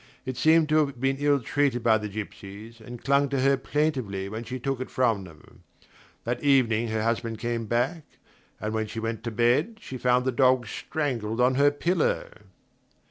It seemed to have been ill treated by the gypsies, and clung to her plaintively when she took it from them. That evening her husband came back, and when she went to bed she found the dog strangled on her pillow.